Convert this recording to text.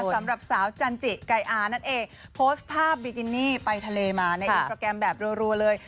สำหรับสาวจันจิไก่อานั่นเองโพสต์ภาพบิกินี่ไปทะเลมาในอินสตราแกรมแบบรัวเลย